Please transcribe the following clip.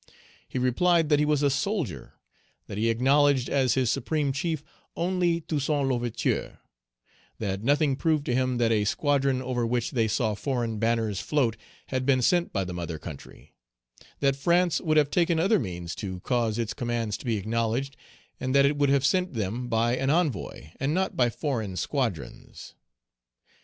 He replied that he was a solider; that he acknowledged as his supreme chief only Toussaint L'Ouverture; that nothing proved to him that a squadron over which they saw foreign banners float had been sent by the mother country; that France would have taken other means to cause its commands to be acknowledged, and that it would have sent them by an envoy, and not by foreign squadrons.